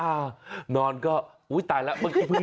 อ่านอนก็อุ๊ยตายแล้วมันคือพระง่วง